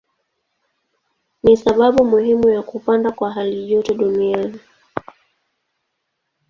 Ni sababu muhimu ya kupanda kwa halijoto duniani.